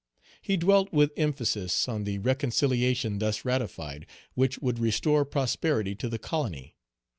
He dwelt with emphasis on the reconciliation thus ratified, which would restore prosperity to the colony.